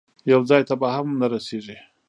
یو ځای ته به هم نه رسېږي.